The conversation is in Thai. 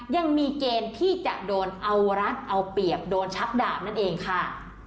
ยังมีเกณฑ์ที่จะโดนเอารัดเอาเปรียบโดนชักดาบนั่นเองค่ะ